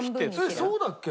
えっそうだっけ？